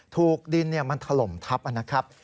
ถูกดินมันถล่มทับนะครับ